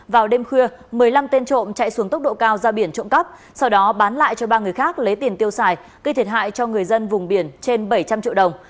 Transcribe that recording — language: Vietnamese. vào đêm khuya một mươi năm tên trộm chạy xuống tốc độ cao ra biển trộm cắp sau đó bán lại cho ba người khác lấy tiền tiêu xài gây thiệt hại cho người dân vùng biển trên bảy trăm linh triệu đồng